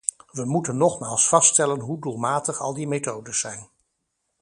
We moeten nogmaals vaststellen hoe doelmatig al die methodes zijn.